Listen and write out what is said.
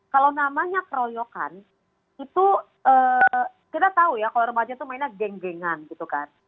kalau namanya keroyokan itu kita tahu ya kalau remaja itu mainnya geng gengan gitu kan